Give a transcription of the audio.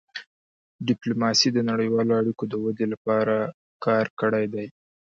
ډيپلوماسي د نړیوالو اړیکو د ودې لپاره کار کړی دی.